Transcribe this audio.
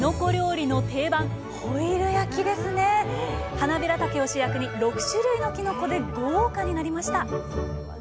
はなびらたけを主役に６種類のきのこで豪華になりました！